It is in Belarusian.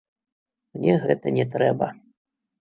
Мне гэта не трэба.